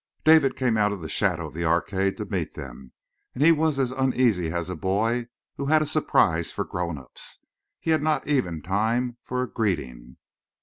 David came out of the shadow of the arcade to meet them, and he was as uneasy as a boy who had a surprise for grown ups. He had not even time for a greeting.